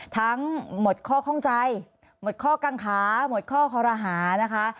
ทั้งหมดข้อข้องใจหมดข้อกังขาหมดข้อคอรหานะคะ